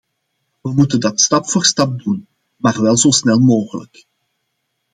We moeten dat stap voor stap doen, maar wel zo snel mogelijk.